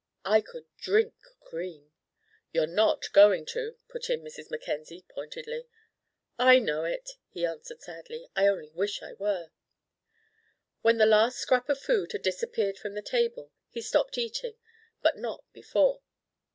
"I could drink cream." "You're not going to," put in Mrs. Mackenzie, pointedly. "I know it," he answered sadly; "I only wish I were." When the last scrap of food had disappeared from the table, he stopped eating, but not before.